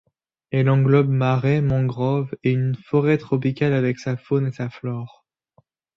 Elle englobe marais, mangroves et une forêt tropicale avec sa faune et sa flore.